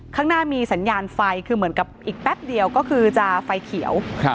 ข้างหน้ามีสัญญาณไฟคือเหมือนกับอีกแป๊บเดียวก็คือจะไฟเขียว